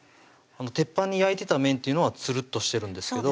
鉄板に焼いてた面っていうのはつるっとしてるんですけど